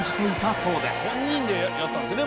「本人でやったんですよね？